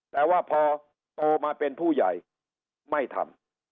แต่ว่าพอโตมาเป็นผู้ใหญ่ไม่ทำ